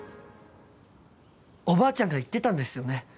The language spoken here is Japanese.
おばあちゃんが言ってたんですよね？